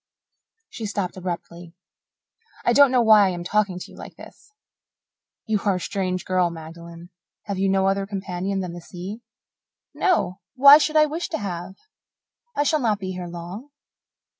She stopped abruptly. "I don't know why I am talking to you like this." "You are a strange girl, Magdalen. Have you no other companion than the sea?" "No. Why should I wish to have? I shall not be here long."